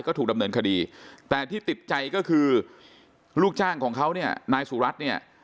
ก็ถูกดำเนินคดีแต่ที่ติดใจก็คือลูกจ้างของเขาเนี่ยนายสุรัตน์เนี่ย